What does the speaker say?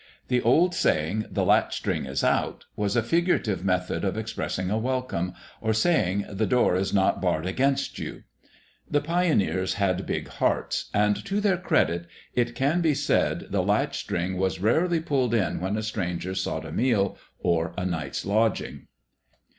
The old saying, "the latch string is out", was a figurative method of expressing a welcome, or saying "the door is not barred against you." The pioneers had big hearts, and to their credit it can be said the latch string was rarely pulled in when a stranger sought a meal or a night's lodging.